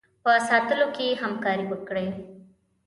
په ساتلو کې همکاري وکړي.